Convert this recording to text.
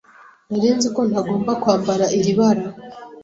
Nari nzi ko ntagomba kwambara iri bara.